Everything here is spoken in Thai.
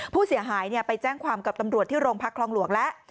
ผู้เสียหายไปแจ้งความกับตำรวจที่โรงพักคลองหลวงแล้ว